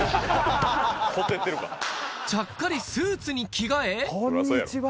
ちゃっかりスーツに着替えこんにちは